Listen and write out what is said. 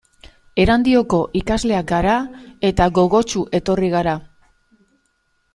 Erandioko ikasleak gara eta gogotsu etorri gara.